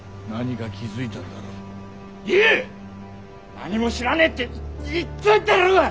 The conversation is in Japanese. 何も知らねえって言ってんだろうが！